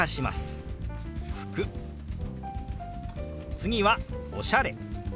次は「おしゃれ」。